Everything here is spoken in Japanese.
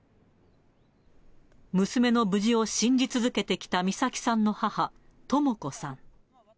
娘の無事を信じ続けてきた、美咲さんの母、とも子さん。